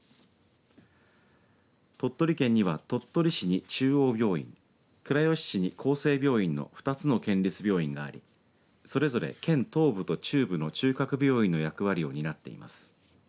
鳥取県には鳥取市に中央病院倉吉市に厚生病院の２つの県立病院がありそれぞれ県東部と中部の中核病院の役割を担っています。